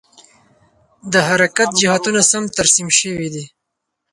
د حرکت جهتونه سم ترسیم شوي دي؟